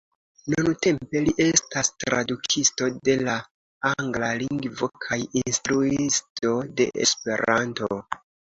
Nuntempe li estas tradukisto de la Angla Lingvo kaj Instruisto de Esperanto.